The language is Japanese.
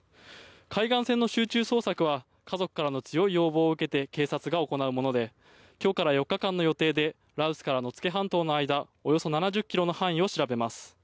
海岸線の集中捜索は家族からの強い要望を受けて警察が行うもので今日から４日間の予定で羅臼から野付半島の間およそ７０ｋｍの範囲を調べます。